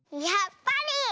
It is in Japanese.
やっぱり！